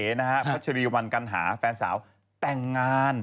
พัชรีวันกัณหาแฟนสาวแต่งงาน